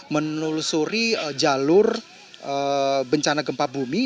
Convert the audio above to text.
menelusuri jalur bencana gempa bumi